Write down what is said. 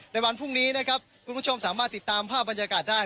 ในวันพรุ่งนี้นะครับคุณผู้ชมสามารถติดตามภาพบรรยากาศได้